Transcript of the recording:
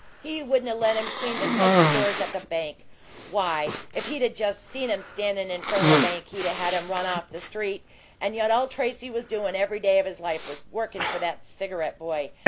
He wouldn't 'a' let him clean the cuspidors at the bank! Why, if he'd 'a' just seen him standin' in FRONT the bank he'd 'a' had him run off the street. And yet all Tracy was doin' every day of his life was workin' for that cigarette boy!